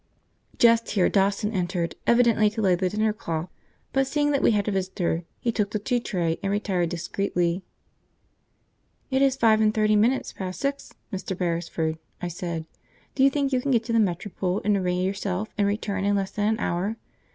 Just here Dawson entered, evidently to lay the dinner cloth, but, seeing that we had a visitor, he took the tea tray and retired discreetly. "It is five and thirty minutes past six, Mr. Beresford," I said. "Do you think you can get to the Metropole and array yourself and return in less than an hour?